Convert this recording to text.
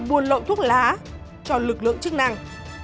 buồn lậu thuốc lá cho lực lượng chức năng